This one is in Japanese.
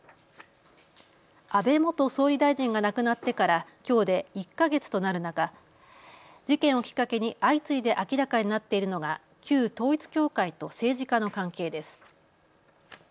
安倍元総理大臣が亡くなってからきょうで１か月となる中、事件をきっかけに相次いで明らかになっているのが旧統一教会と政治家の関係です。